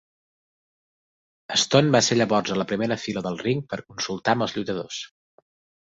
Stone va ser llavors a la primera fila del ring per consultar amb els lluitadors.